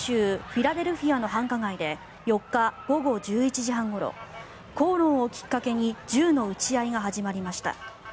フィラデルフィアの繁華街で４日午後１１時半ごろ口論をきっかけに銃の撃ち合いが始まりました。